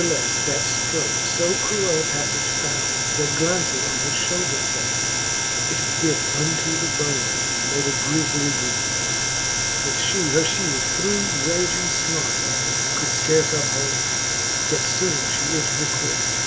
Nath'lefTe that ftroke fo cruell paflage found, That glauncing on her Ihoulder plate, it bit Unto the bone, and made a griefly wound, That fhe her Ihield through raging {mart of it Could fcarfe uphold j yet fbone fhe it requit.